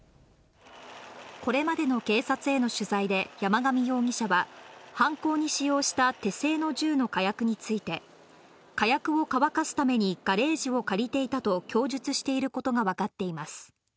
これまでの警察への取材で、山上容疑者は、犯行に使用した手製の銃の火薬について、火薬を乾かすためにガレージを借りていたと供述していることが分かっています。